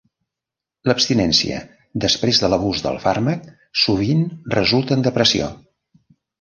L'abstinència després d'un abús del fàrmac sovint resulta en depressió.